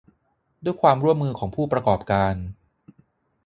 ด้วยความร่วมมือของผู้ประกอบการ